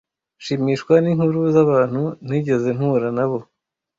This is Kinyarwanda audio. shimishwa ninkuru zabantu ntigeze mpura nabo